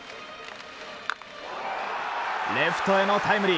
レフトへのタイムリー。